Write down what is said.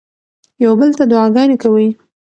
یو بل ته دعاګانې کوئ.